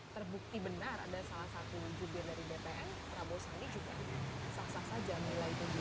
terbukti benar ada salah satu judul dari bpn prabowo sari juga saksa saja nilai penyelidikan